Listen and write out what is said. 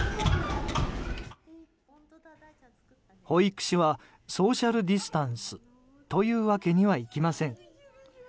保育士はソーシャルディスタンスというわけにはいきません。